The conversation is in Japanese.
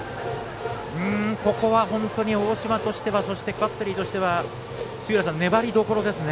ここは、本当に大嶋としてはそしてバッテリーとしては粘りどころですね。